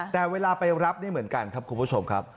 แต่เวลาไปรับนี่เหมือนกันครับคุณผู้ชมครับ